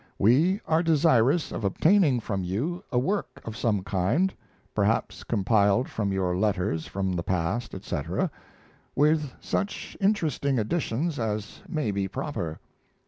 We are desirous of obtaining from you a work of some kind, perhaps compiled from your letters from the past, etc., with such interesting additions as may be proper.